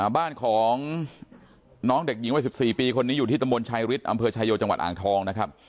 บ้านของน้องเด็กหญิงวัย๑๔ปีคนนี้อยู่ที่ตำบลชายฤทธิ์อำเภอชายโยจังหวัดอ่างทองนะครับ